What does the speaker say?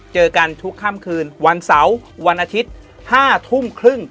เจอกันทุกค่ำคืนวันเสาร์วันอาทิตย์๕ทุ่มครึ่ง